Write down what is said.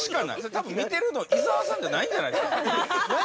◆多分、見てるの伊沢さんじゃないんじゃないですか。